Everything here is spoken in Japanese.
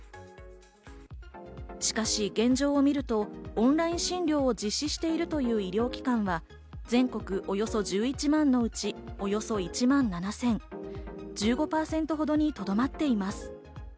しかし現状を見ると、オンライン診療を実施しているという医療機関は、全国およそ１１万のうち、およそ１万７０００、１５％ほどにとどまっています。